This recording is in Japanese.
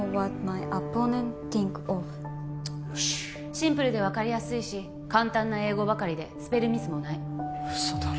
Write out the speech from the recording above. シンプルで分かりやすいし簡単な英語ばかりでスペルミスもない嘘だろ